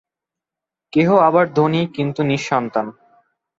কেহ আবার ধনী, কিন্তু নিঃসন্তান।